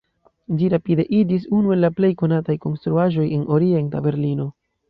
Ĝi rapide iĝis unu el la plej konataj konstruaĵoj en Orienta Berlino.